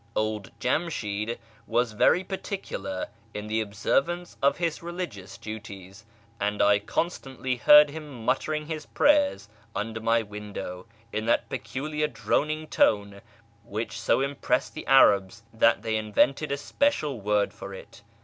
Old Jamshid was very particular in the observance of his 'ligious duties, and I constantly heard him muttering his 'ayers under my window in that peculiar droning tone hich so impressed the Arabs that they invented a special ord for it.